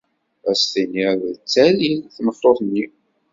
Ad s-tiniḍ d Tteryel tmeṭṭut-nni.